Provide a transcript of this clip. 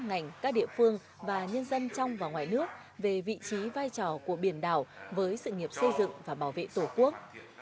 và nhận thức của các ngành các địa phương và nhân dân trong và ngoài nước về vị trí vai trò của biển đảo với sự nghiệp xây dựng và bảo vệ tổ quốc